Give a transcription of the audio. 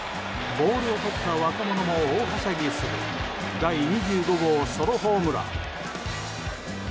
ボールをとった若者も大はしゃぎする第２５号ソロホームラン。